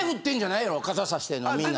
傘さしてるのみんな。